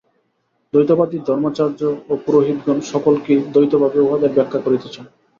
দ্বৈতবাদী ধর্মাচার্য ও পুরোহিতগণ সকলকেই দ্বৈতভাবে উহাদের ব্যাখ্যা করিতে চান।